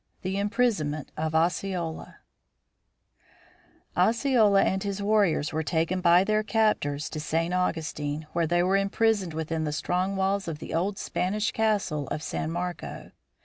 THE IMPRISONMENT OF OSCEOLA Osceola and his warriors were taken by their captors to St. Augustine where they were imprisoned within the strong walls of the old Spanish castle of San Marco.